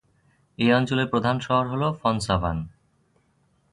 এই অঞ্চলের প্রধান শহর হল ফনসাভান।